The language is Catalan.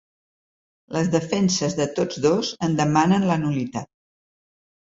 Les defenses de tots dos en demanen la nul·litat.